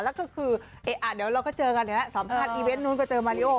แล้วก็คือเดี๋ยวเราก็เจอกันแล้วสัมภาษณ์อีเวนต์นู้นก็เจอมาริโอ